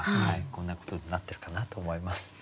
こんなことになってるかなと思います。